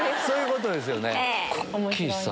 そういうことですよね。